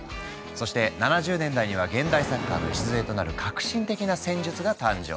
そして７０年代には現代サッカーの礎となる革新的な戦術が誕生。